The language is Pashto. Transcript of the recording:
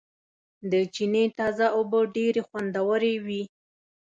د چينې تازه اوبه ډېرې خوندورېوي